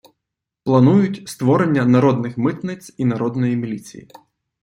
Планують: створення «народних митниць» і «народної міліції».